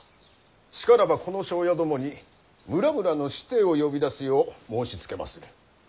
しからばこの庄屋どもに村々の子弟を呼び出すよう申しつけまする。